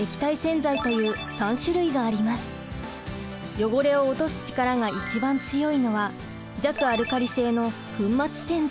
汚れを落とす力が一番強いのは弱アルカリ性の粉末洗剤。